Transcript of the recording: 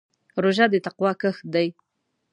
روژه د تقوا کښت دی.